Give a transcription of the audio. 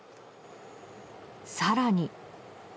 更に。